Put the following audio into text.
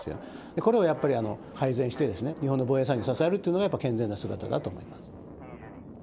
これをやっぱり改善して、日本の防衛産業を支えるというのが、やっぱり健全な姿だと思います。